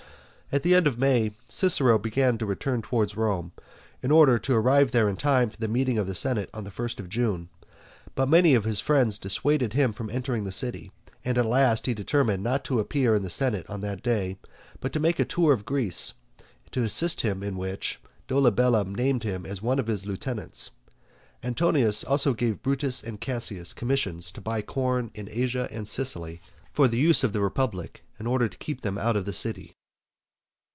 At the end of May Cicero began to return towards Rome, in order to arrive there in time for the meeting of the senate on the first of June, but many of his friends dissuaded him from entering the city, and at last he determined not to appear in the senate on that day, but to make a tour in Greece, to assist him in which, Dolabella named him one of his lieutenants. Antonius also gave Brutus and Cassius commissions to buy corn in Asia and Sicily for the use of the republic, in order to keep them out of the city.